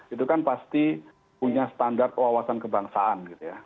itu kan pasti punya standar kewawasan kebangsaan